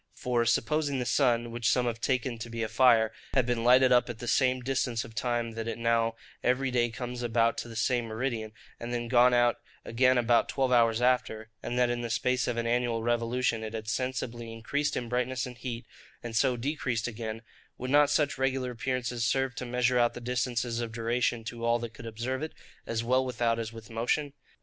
For, supposing the sun, which some have taken to be a fire, had been lighted up at the same distance of time that it now every day comes about to the same meridian, and then gone out again about twelve hours after, and that in the space of an annual revolution it had sensibly increased in brightness and heat, and so decreased again,—would not such regular appearances serve to measure out the distances of duration to all that could observe it, as well without as with motion?